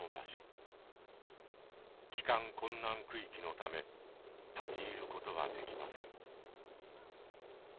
帰還困難区域のため立ち入ることはできません。